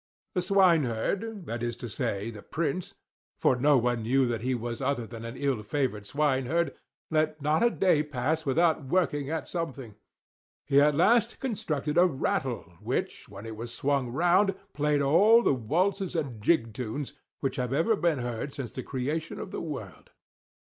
The swineherd that is to say the Prince, for no one knew that he was other than an ill favored swineherd, let not a day pass without working at something; he at last constructed a rattle, which, when it was swung round, played all the waltzes and jig tunes, which have ever been heard since the creation of the world.